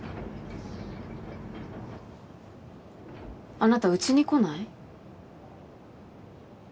あなたうちに来ない？